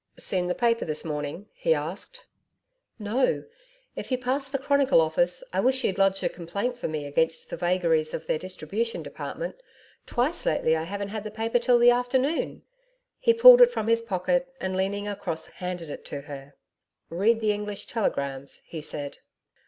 'Seen the paper this morning?' he asked. 'No. If you pass the CHRONICLE Office, I wish you'd lodge a complaint for me against the vagaries of their distribution department. Twice lately I haven't had the paper till the afternoon.' He pulled it from his pocket, and, leaning across, handed it to her. 'Read the English Telegrams,' he said.